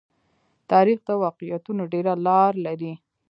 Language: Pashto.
تاریخ د واقعیتونو ډېره لار لري.